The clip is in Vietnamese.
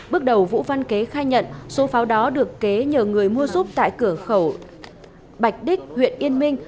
bước đầu vũ văn kế khai nhận số pháo đó được kế nhờ người mua giúp tại cửa khẩu bạch đích huyện yên minh